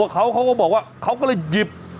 เขาก็บอกว่าเขาก็เลยหยิบ